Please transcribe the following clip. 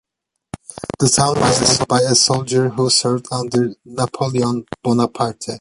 The town was named by a soldier who served under Napoleon Bonaparte.